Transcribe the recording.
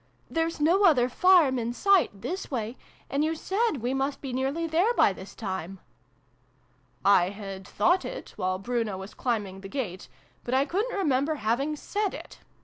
There's no other farm in sight, this way ; and you said we must be nearly there by this time." I had thought it, while Bruno was climbing the gate, but I couldn't remember having said it.